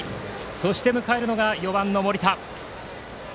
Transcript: そして迎えるのが４番の森田。